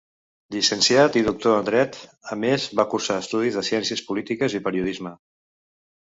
Llicenciat i doctor en Dret, a més va cursar estudis de Ciències Polítiques i Periodisme.